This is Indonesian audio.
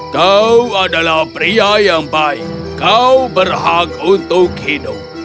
kau adalah pria yang baik kau berhak untuk hidup